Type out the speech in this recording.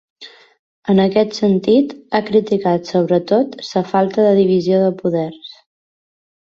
En aquest sentit, ha criticat sobretot la falta de divisió de poders.